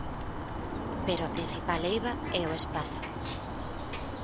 Pero a principal eiva é o espazo.